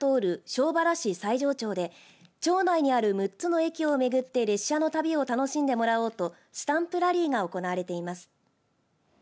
庄原市西城町で町内にある６つの駅を巡って列車の旅を楽しんでもらおうとスタンプラリーが行われています。